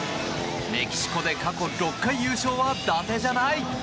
メキシコで過去６回優勝は伊達じゃない！